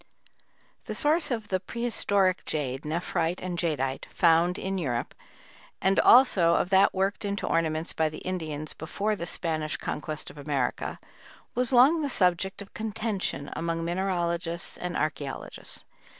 The source of the prehistoric jade (nephrite and jadeite) found in Europe, and also of that worked into ornaments by the Indians before the Spanish Conquest of America, was long the subject of contention among mineralogists and archæologists.